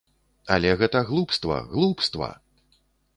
Але гэта глупства, глупства!